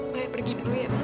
maya pergi dulu ya mas